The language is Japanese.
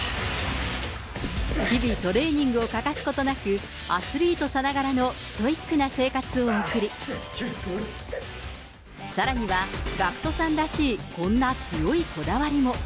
日々、トレーニングを欠かすことなく、アスリートさながらのストイックな生活を送り、さらには、ＧＡＣＫＴさんらしい、こんな強いこだわりも。